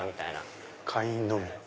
「会員のみ」。